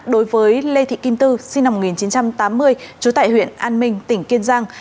đối với lê thị kim tư sinh năm một nghìn chín trăm tám mươi trú tại huyện an minh tỉnh kiên giang